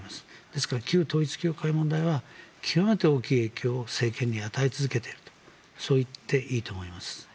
ですから、旧統一教会問題は極めて大きい影響を政権に与え続けているとそう言っていいと思います。